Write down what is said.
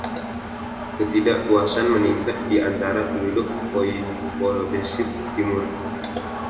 Ketidakpuasan meningkat di antara penduduk voivodeship timur.